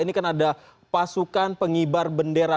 ini kan ada pasukan pengibar bendera